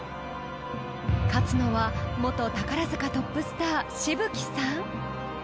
［勝つのは元宝塚トップスター紫吹さん？］